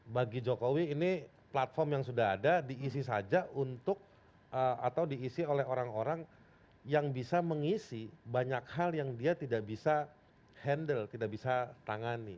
bagi jokowi ini platform yang sudah ada diisi saja untuk atau diisi oleh orang orang yang bisa mengisi banyak hal yang dia tidak bisa handle tidak bisa tangani